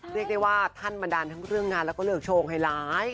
เรียกได้ว่าท่านบันดาลทั้งเรื่องงานแล้วก็เลิกโชคไฮไลท์